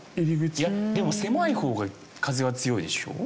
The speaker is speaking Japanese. いやでも狭い方が風は強いでしょ？